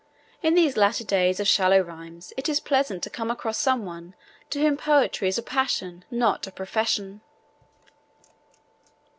In these latter days of shallow rhymes it is pleasant to come across some one to whom poetry is a passion not a profession.